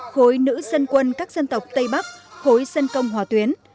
khối nữ dân quân các dân tộc tây bắc khối dân công hòa tuyến